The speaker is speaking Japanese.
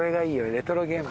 レトロゲーム。